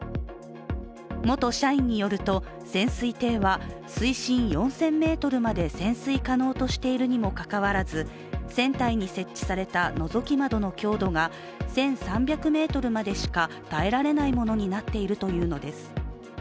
元社員によると、潜水艇は水深４０００ｍまで潜水可能としているにもかかわらず船体に設置されたのぞき窓の強度が１３００ｍまでしか耐えられないものになっているというのです。